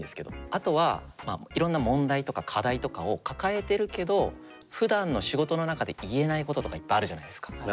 あとはまあいろんな問題とか課題とかを抱えてるけどふだんの仕事の中で言えないこととかいっぱいあるじゃないですか。